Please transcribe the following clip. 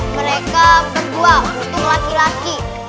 mereka berdua untuk laki laki